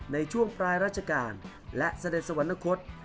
ในช่วงปลายราชการและเสด็จสวรรคต